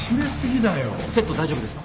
セット大丈夫ですか？